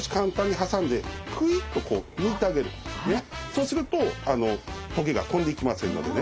そうすると棘が飛んでいきませんのでね。